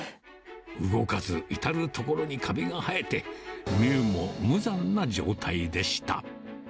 動かず、至る所にかびが生えて、見るも無残な状態でした。